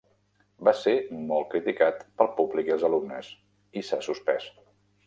Va ser molt criticat pel públic i els alumnes i s'ha suspès.